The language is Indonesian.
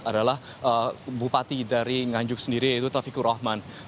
adalah bupati dari nganjuk sendiri yaitu taufikur rahman